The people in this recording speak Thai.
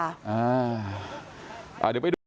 อ่า